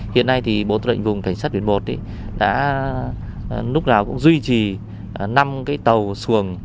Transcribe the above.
hiện nay bộ tư lệnh vùng cảnh sát biển i đã lúc nào cũng duy trì năm tàu xuồng